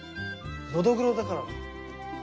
のどぐろだからだ。